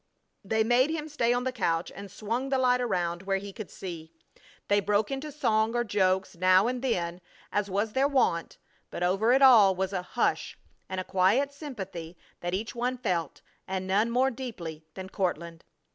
They made him stay on the couch and swung the light around where he could see. They broke into song or jokes now and then as was their wont, but over it all was a hush and a quiet sympathy that each one felt, and none more deeply than Courtland.